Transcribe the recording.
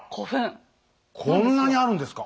あらこんなにあるんですか？